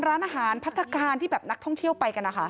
ร้านอาหารพัฒนาการที่แบบนักท่องเที่ยวไปกันนะคะ